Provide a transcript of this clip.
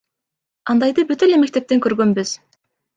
Андайды бүт эле мектептен көргөнбүз.